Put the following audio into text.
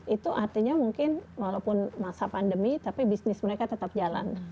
itu artinya mungkin walaupun masa pandemi tapi bisnis mereka tetap jalan